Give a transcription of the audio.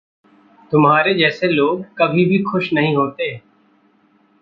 तुम्हारे जैसे लोग कभी भी खुश नहीं होते।